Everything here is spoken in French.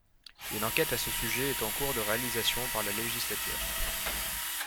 Une enquête à ce sujet est en cours de réalisation par la législature.